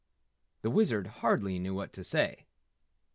The Wizard hardly knew what to say.